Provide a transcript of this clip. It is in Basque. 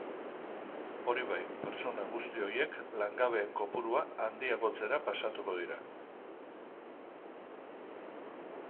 Hori bai, pertsona guzti horiek langabeen kopurua handiagotzera pasatuko dira.